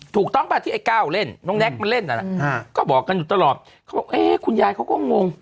ถูกต้องที่ไอ้กราวเร่นน้องแน็กมันเล่นค่ะคุณยายเค้าก็งง